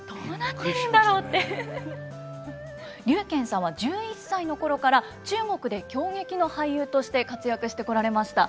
劉妍さんは１１歳の頃から中国で京劇の俳優として活躍してこられました。